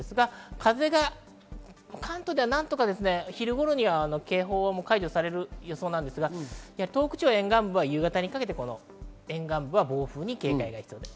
風が関東では何とか昼頃には警報は解除される予想ですが東北地方沿岸は、夕方にかけて暴風に警戒が必要です。